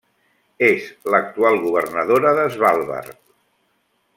És l'actual governadora de Svalbard.